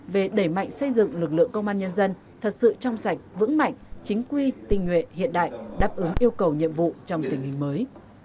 về đẩy mạnh xây dựng lực lượng công an nhân dân thật sự trong sạch vững mạnh chính quy tình nguyện hiện đại đáp ứng yêu cầu nhiệm vụ trong tình hình mới